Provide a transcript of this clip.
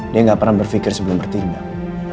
dia gak pernah berpikir sebelum bertindak